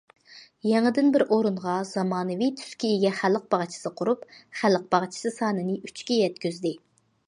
يېڭىدىن بىر ئورۇنغا زامانىۋى تۈسكە ئىگە خەلق باغچىسى قۇرۇپ، خەلق باغچىسى سانىنى ئۈچكە يەتكۈزدى.